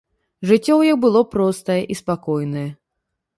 Жыццё ў іх было простае і спакойнае.